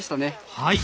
はい。